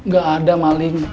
gak ada maling